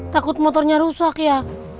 takut motornya rusak ya